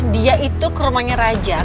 dia itu ke rumahnya raja